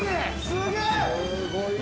すごーい！